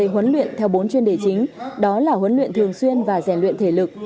huấn luyện theo bốn chuyên đề chính đó là huấn luyện thường xuyên và rèn luyện thể lực